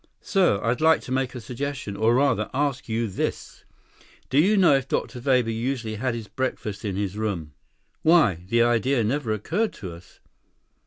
"Sir, I'd like to make a suggestion, or, rather, ask you this. Do you know if Dr. Weber usually had his breakfast in his room?" "Why, the idea never occurred to us."